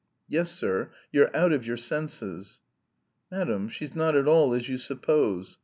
"Yes, sir, you're out of your senses." "Madam, she's not at all as you suppose.